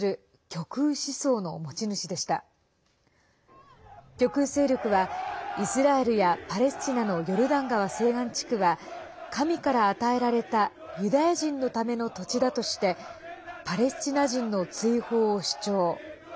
極右勢力はイスラエルやパレスチナのヨルダン川西岸地区は神から与えられたユダヤ人のための土地だとしてパレスチナ人の追放を主張。